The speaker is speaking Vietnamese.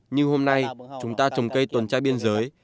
như hôm nay chúng ta trồng cây tuần trai biên giới